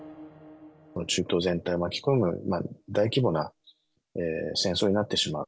中東全体を巻き込む大規模な戦争になってしまう。